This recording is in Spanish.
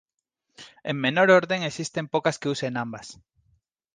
En menor orden existen pocas que usan ambas.